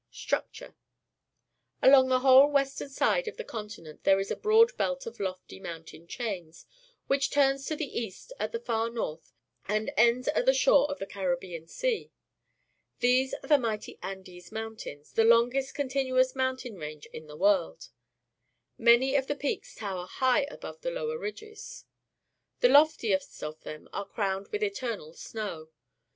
Structure. — Along the whole western side of the continent there is a broad belt of lofty mountain chains, which turns to the east at the far north and ends at the shore of the Rainfall Map of South America The rainfall of Central America is included in this map. Caribbean Sea. These are the mightj^ Andes Mountains^ the longest continuous mountain range in the world. Many of the peaks tower high above the lower ridges. The loftiest of them are crowned with eternal snow.